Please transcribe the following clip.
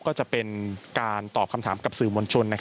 ก็จะเป็นการตอบคำถามกับสื่อมวลชน